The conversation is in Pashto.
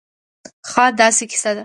خاا داسې قیصه وه